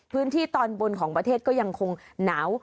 พื้นที่ตอนบนของประเทศก็ยังคงหนาว